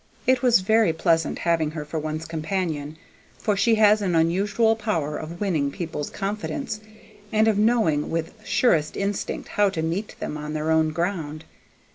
It was very pleasant having her for one's companion, for she has an unusual power of winning people's confidence, and of knowing with surest instinct how to meet them on their own ground.